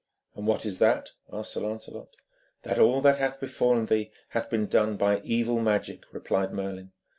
'And what is that?' asked Sir Lancelot. 'That all that hath befallen thee hath been done by evil magic,' replied Merlin.